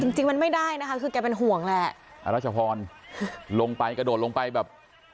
จริงจริงมันไม่ได้นะคะคือแกเป็นห่วงแหละอรัชพรลงไปกระโดดลงไปแบบ